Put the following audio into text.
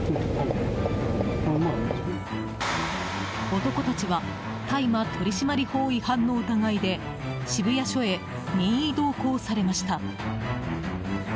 男たちは大麻取締法違反の疑いで渋谷署へ任意同行されました。